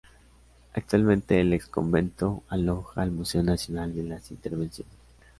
Actualmente el exconvento aloja al Museo Nacional de las Intervenciones.